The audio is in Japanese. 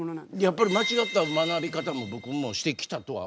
やっぱり間違った学び方も僕もしてきたとは思いますね。